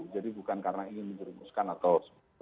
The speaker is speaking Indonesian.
jadi bukan karena ingin menjerumuskan atau seperti itu